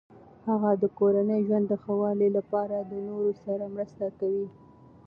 هغه د کورني ژوند د ښه والي لپاره د نورو سره مرسته کوي.